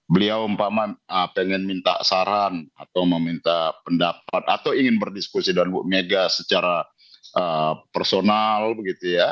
beliau umpama pengen minta saran atau meminta pendapat atau ingin berdiskusi dengan bu mega secara personal begitu ya